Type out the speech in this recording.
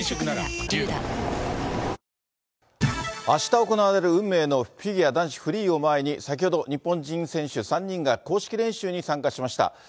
あした行われる運命のフィギュア男子フリーを前に、先ほど日本人選手３人が公式練習に参加しました。